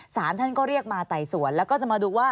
สารท่านก็เรียกมาไต่สวนแล้วก็จะมาดูว่า